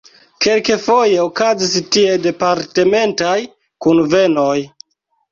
Kelkfoje okazis tie departementaj kunvenoj.